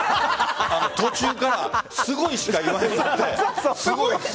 途中からすごいしか言わなくなって。